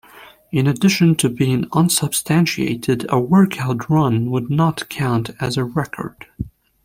In addition to being unsubstantiated, a workout run would not count as a record.